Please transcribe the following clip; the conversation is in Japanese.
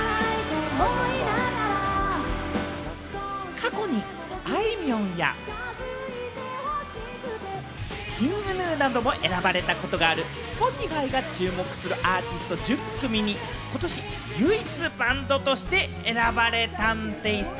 過去にあいみょんやＫｉｎｇＧｎｕなども選ばれたことがあるＳｐｏｔｉｆｙが注目するアーティスト１０組に、ことし唯一、バンドとして選ばれたんでぃす。